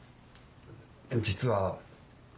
実は。